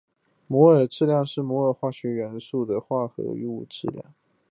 摩尔质量是一摩尔化学元素或者化合物的质量。